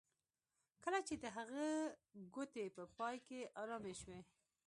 کله چې د هغه ګوتې په پای کې ارامې شوې